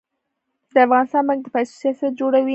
د افغانستان بانک د پیسو سیاست جوړوي